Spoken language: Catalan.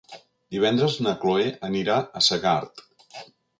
Divendres na Chloé anirà a Segart.